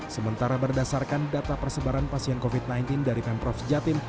sementara berdasarkan data persebaran pasien covid sembilan belas dari pemprov jatim